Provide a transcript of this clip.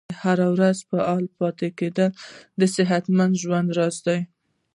هره ورځ فعال پاتې کیدل د صحتمند ژوند راز دی.